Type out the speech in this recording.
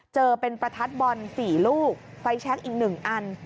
เจอเป็นประทัดบอล๔ลูกไฟแชคอีก๑อัน